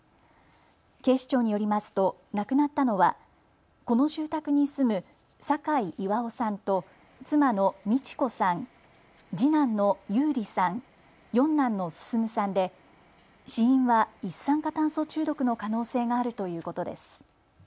警視庁によりますと亡くなったのはこの住宅に住む酒井巌さんと妻の道子さん、次男の優理さん、四男の進さんで死因は一酸化炭素中毒の可能性があるということです。